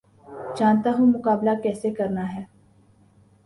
جانتا ہوں مقابلہ کیسے کرنا ہے